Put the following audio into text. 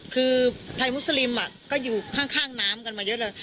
คือไทยมุสลิมก็อยู่ข้างน้ำกันมาเยอะเลย